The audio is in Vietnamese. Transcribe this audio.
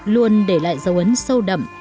luôn để lại dấu ấn sâu đậm